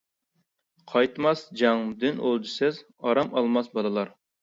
قايتماس «جەڭ» دىن ئولجىسىز، ئارام ئالماس بالىلار!